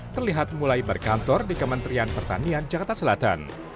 terlihat mulai berkantor di kementerian pertanian jakarta selatan